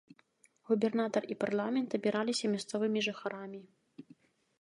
Губернатар і парламент абіраліся мясцовымі жыхарамі.